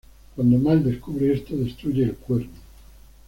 Cuando Mal descubre esto, destruye el cuerno.